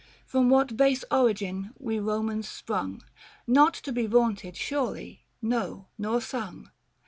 From wmat base origin we Eomans sprung ; Not to be vaunted surely — no, nor sung.